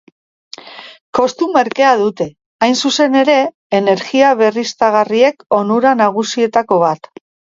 Kostu merkea dute, hain zuzen ere, energia berriztagarriek onura nagusietako bat.